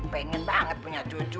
pengen banget punya cucu